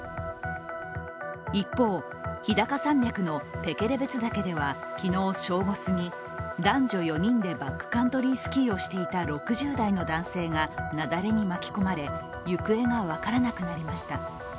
一方、日高山脈のペケレベツ岳では昨日正午すぎ、男女４人でバックカントリースキーをしていた６０代の男性が雪崩に巻き込まれ、行方が分からなくなりました。